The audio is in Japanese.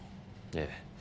ええ。